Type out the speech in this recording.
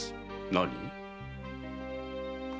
何？